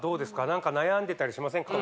何か悩んでたりしませんか？